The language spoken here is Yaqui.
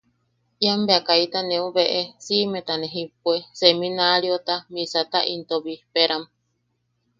Ian bea kaita neu beʼe, siʼimeta ne jippue, seminaariota, misata into bijperam.